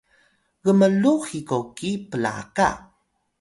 gmlux hikoki plaka